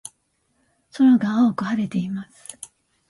空が青く晴れています。